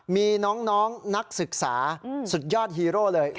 มีน้องนักศึกษาสุดยอดฮีโร่เลย